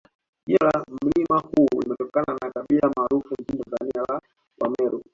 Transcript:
Jina la mlima huu limetokana na kabila maarufu nchini Tanzania la Wameru